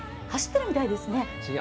走ってるみたいですよね？